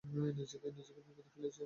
নিজেকে বিপদে ফেলেছ।